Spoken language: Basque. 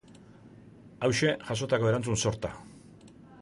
Hauxe, jasotako erantzun sorta.